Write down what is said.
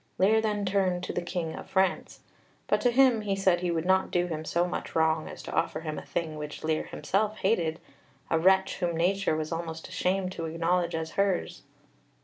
Lear then turned to the King of France, but to him he said he would not do him so much wrong as to offer him a thing which Lear himself hated a wretch whom nature was almost ashamed to acknowledge as hers.